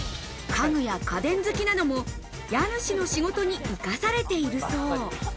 家具や家電好きなのも家主の仕事に生かされているそう。